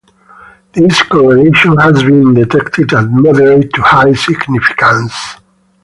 This correlation has been detected at moderate to high significance.